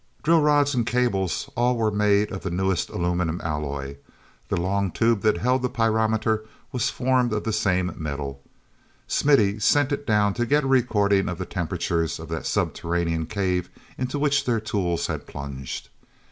rill rods and cables, all were made of the newest aluminum alloy. The long tube that held the pyrometer was formed of the same metal. Smithy sent it down to get a recording of the temperatures of that subterranean cave into which their tools had plunged.